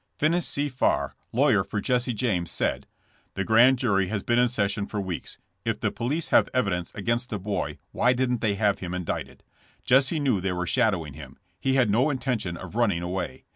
'' ''Finis C. Farr, lawyer for Jesse James, said: 'The grand jury has been in session for weeks. If the police have evidence against the boy why didn't they have him indicted. Jesse knew they were shadowing him. He had no intention of running away.